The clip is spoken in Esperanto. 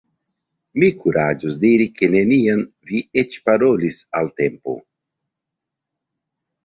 Mi kuraĝus diri ke neniam vi eĉ parolis al Tempo?